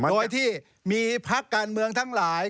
โดยที่มีพักการเมืองทั้งหลาย